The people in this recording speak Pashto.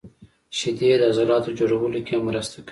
• شیدې د عضلاتو جوړولو کې هم مرسته کوي.